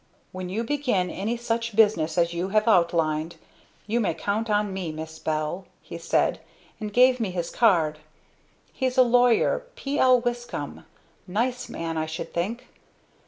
'When you begin any such business as you have outlined, you may count on me, Miss Bell,' he said, and gave me his card. He's a lawyer P. L. Wiscomb; nice man, I should think.